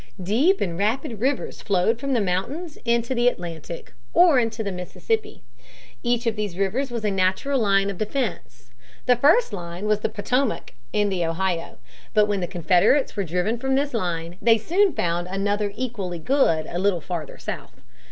Deep and rapid rivers flowed from the mountains into the Atlantic or into the Mississippi. Each of these rivers was a natural line of defense. The first line was the Potomac and the Ohio. But when the Confederates were driven from this line, they soon found another equally good a little farther south.